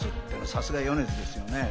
さすが米津ですね。